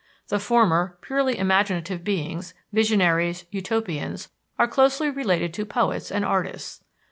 The former, purely imaginative beings, visionaries, utopians, are closely related to poets and artists.